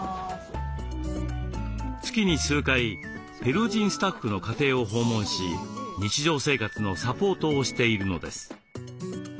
月に数回ペルー人スタッフの家庭を訪問し日常生活のサポートをしているのです。